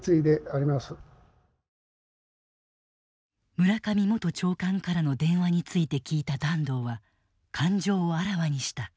村上元長官からの電話について聞いた團藤は感情をあらわにした。